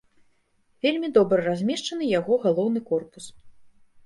Вельмі добра размешчаны яго галоўны корпус.